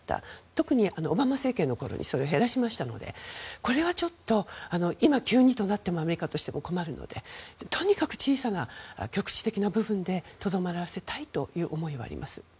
特にオバマ政権の頃にそれを減らしましたのでこれはちょっと今、急にとなってもアメリカとしても困るのでとにかく小さな局地的な部分でとどまらせたいという思いはあります。